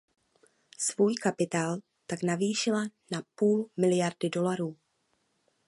Svůj kapitál tak navýšila na půl miliardy dolarů.